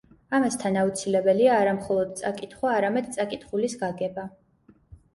ამასთან, აუცილებელია არა მხოლოდ წაკითხვა, არამედ წაკითხული გაგება.